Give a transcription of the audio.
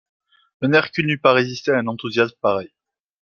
Un hercule n’eût pas résisté à un enthousiasme pareil.